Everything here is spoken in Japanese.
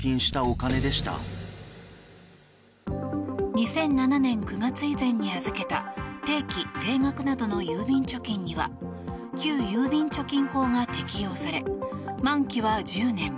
２００７年９月以前に預けた定期・定額などの郵便貯金には旧郵便貯金法が適用され満期は１０年。